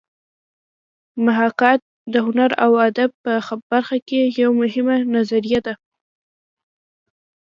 محاکات د هنر او ادب په برخه کې یوه مهمه نظریه ده